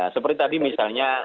seperti tadi misalnya